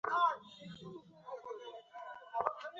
অতীনের মাথায় করাঘাত করে এলা বললে, আজকাল কী পাগলামি শুরু করেছ তুমি?